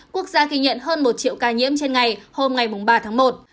quốc gia ghi nhận hơn một triệu ca nhiễm trên ngày hôm ngày mùng ba tháng một